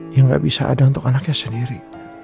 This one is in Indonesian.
yang gak bisa ada untuk anaknya sendiri